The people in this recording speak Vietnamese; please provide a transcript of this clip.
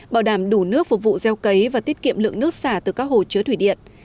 bảo đảm đủ nước phục vụ gieo cấy và tiết kiệm lượng nước xả từ các hồ chứa thủy điện